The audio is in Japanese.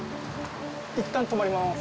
いったん止まります。